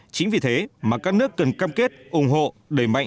chính vì thế mà các nước cần cam kết ủng hộ đẩy mạnh